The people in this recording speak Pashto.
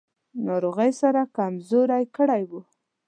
ناروغۍ سره کمزوری کړی و.